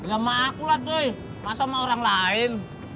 emak aku lah coy masa emak orang lain